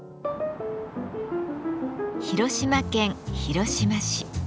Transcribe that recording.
広島県広島市。